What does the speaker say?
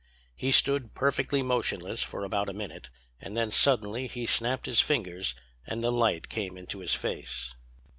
He stood perfectly motionless for about a minute; and then suddenly he snapped his fingers and the light came into his face.